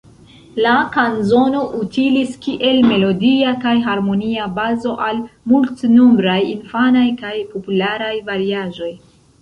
La kanzono utilis kiel melodia kaj harmonia bazo al multnombraj infanaj kaj popularaj variaĵoj.